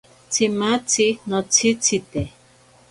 Tsimatzi notsitsite.